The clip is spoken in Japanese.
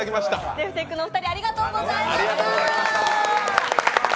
ＤｅｆＴｅｃｈのお二人ありがとうございました。